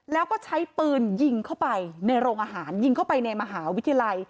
แล้วก็ใช้ปืนยิงเข้าไปในโรงอาหารยิงเข้าไปในมหาวิทยาลัย